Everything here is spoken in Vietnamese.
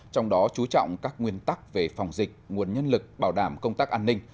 trong đó chú trọng các nguyên tắc về phòng dịch nguồn nhân lực bảo đảm công tác an ninh